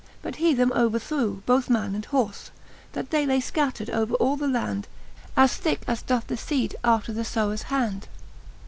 But he them overthrew both man and horfe, That they lay fcattred over all the land. As thicke as doth the feede after the ibwers hand j VIII.